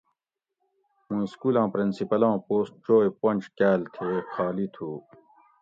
مُوں اِسکولاں پرنسپلاں پوسٹ چوئ پنج کاٞل تھی خالی تھُو